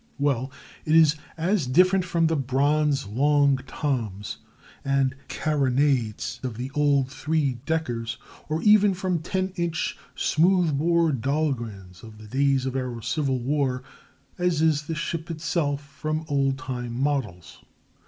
Well, it is as different from the bronze "long toms" and carronades of the old three deckers, or even from ten inch smooth bore "Dahlgrens" of the days of our Civil War, as is the ship itself from old time models.